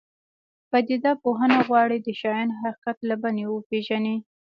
پدیده پوهنه غواړي د شیانو حقیقت له بڼې وپېژني.